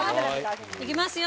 行きますよ